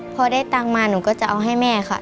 พอได้ตังค์มาหนูก็จะเอาให้แม่ค่ะ